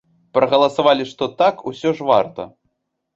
Прагаласавалі, што так, усё ж варта.